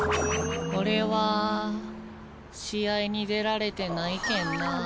俺は試合に出られてないけんなぁ。